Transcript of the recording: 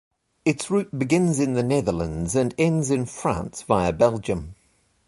Its route begins in the Netherlands, and ends in France, via Belgium.